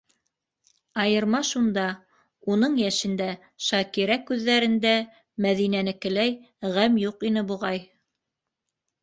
Айырма шунда: уның йәшендә Шакира күҙҙәрендә Мәҙинәнекеләй ғәм юҡ ине, буғай.